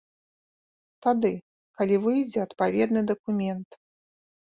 Тады, калі выйдзе адпаведны дакумент.